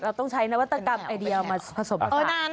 เราต้องใช้นวัตกรรมไอเดียมาผสมกัน